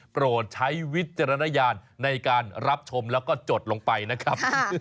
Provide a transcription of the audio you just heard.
โปรดใช้วิจารณญาณในการรับชมแล้วก็จดลงไปนะครับ